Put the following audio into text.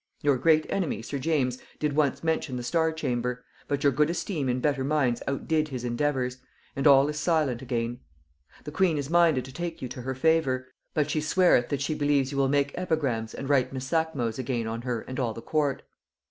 Your great enemy, sir James, did once mention the star chamber, but your good esteem in better minds outdid his endeavours, and all is silent again. The queen is minded to take you to her favor, but she sweareth that she believes you will make epigrams and write misacmos again on her and all the court.